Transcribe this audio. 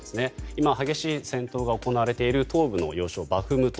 今、激しい戦闘が行われている東部の要衝バフムト。